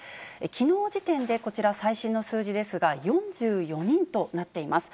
きのう時点で、こちら、最新の数字ですが、４４人となっています。